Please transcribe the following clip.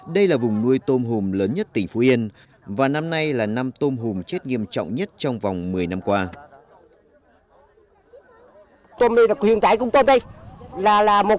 đây là vùng nuôi tôm hùm lớn nhất tỉnh phú yên và năm nay là năm tôm hùm chết nghiêm trọng nhất trong vòng một mươi năm qua